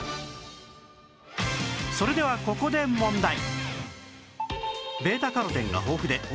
それではここで問題